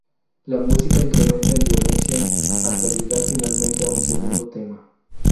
La música incrementa en violencia hasta llegar finalmente a un segundo tema.